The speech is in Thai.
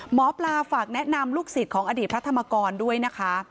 หมอปลาฝากแนะนำลูกศิษย์ของอดีตพระธรรมกรด้วยนะคะ